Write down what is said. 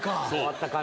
そう。